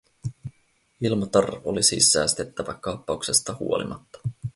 Ilmatar oli siis säästettävä kaappauksesta huolimatta.